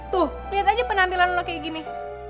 tuh lihat aja penampilan lo kayak gini